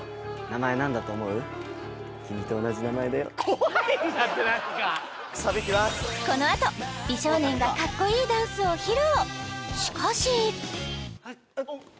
怖いんだってなんかこのあと美少年がかっこいいダンスを披露！